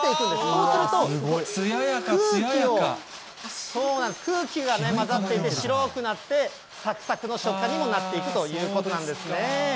そうすると、空気がね、混ざって、白くなって、さくさくの食感にもなっていくということなんですね。